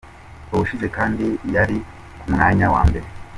Ubushize kandi yari ku mwanya wa mbere.